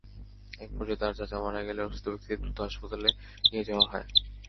একপর্যায়ে তাঁর চাচা মারা গেলে অসুস্থ ব্যক্তিদের দ্রুত হাসপাতালে নিয়ে যাওয়া হয়।